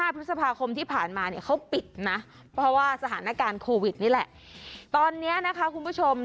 พฤษภาคมที่ผ่านมาเนี่ยเขาปิดนะเพราะว่าสถานการณ์โควิดนี่แหละตอนนี้นะคะคุณผู้ชม